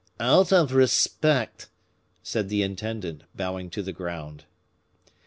"Out of respect," said the intendant, bowing to the ground.